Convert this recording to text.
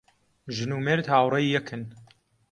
ژن و مێرد هاوڕێی یەکن